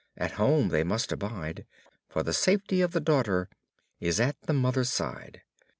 At home they must abide, For the safety of the daughter is at the mother's side_.